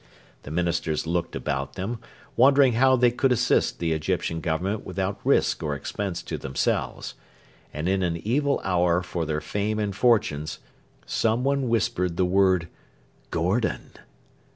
The Ministers looked about them, wondering how they could assist the Egyptian Government without risk or expense to themselves, and in an evil hour for their fame and fortunes someone whispered the word 'Gordon.'